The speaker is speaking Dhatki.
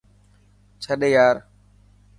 ڇڏ يار.